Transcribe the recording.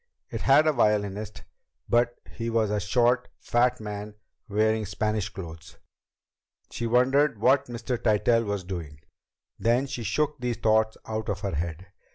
It had a violinist, but he was a short, fat man wearing Spanish clothes. She wondered what Mr. Tytell was doing. Then she shook these thoughts out of her head.